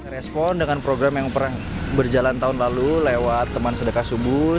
respon dengan program yang pernah berjalan tahun lalu lewat teman sedekah subuh